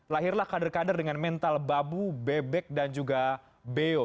lahirlah kader kader dengan mental babu bebek dan juga beo